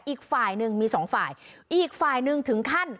อีกฝ่ายหนึ่งมีสองฝ่ายอีกฝ่ายหนึ่งถึงขั้น